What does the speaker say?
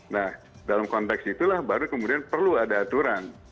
nah dalam konteks itulah baru kemudian perlu ada aturan